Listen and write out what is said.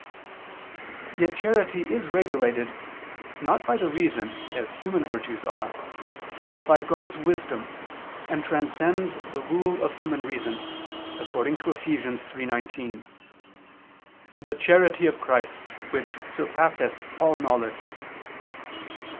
Yet charity is regulated, not by the reason, as human virtues are, but by God's wisdom, and transcends the rule of human reason, according to Eph. 3:19: "The charity of Christ, which surpasseth all knowledge."